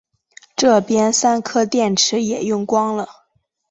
这边三颗电池也用光了